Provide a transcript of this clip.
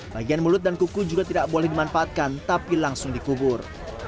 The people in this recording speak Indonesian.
bagian mulut dan kuku juga tidak boleh dimanfaatkan tapi langsung dikubur